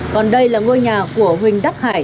còn đây là ngôi nhà của huỳnh đắc hải